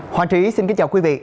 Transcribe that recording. hoàng trí xin kính chào quý vị